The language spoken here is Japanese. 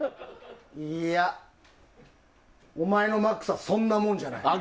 いや、お前のマックスはそんなもんじゃない。